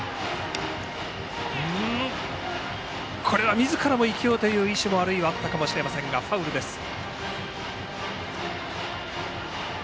みずからも生きようという意思もあったかもしれませんがファウルでした。